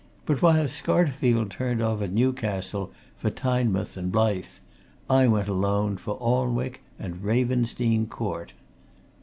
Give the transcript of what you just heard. But while Scarterfield turned off at Newcastle for Tynemouth and Blyth, I went forward alone, for Alnwick and Ravensdene Court.